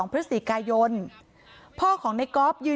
คำให้การในกอล์ฟนี่คือคำให้การในกอล์ฟนี่คือ